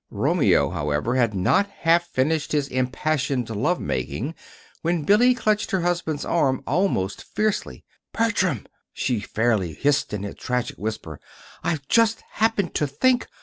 Romeo, however, had not half finished his impassioned love making when Billy clutched her husband's arm almost fiercely. "Bertram," she fairly hissed in a tragic whisper, "I've just happened to think!